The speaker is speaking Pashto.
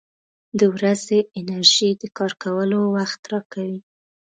• د ورځې انرژي د کار کولو وخت راکوي.